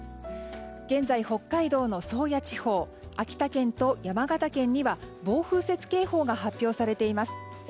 現在、北海道の宗谷地方秋田県と山形県には暴風雪警報が発表されています。